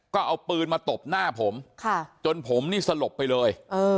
ก็เอาปืนมาตบหน้าผมจนผมนี่สลบไปเลย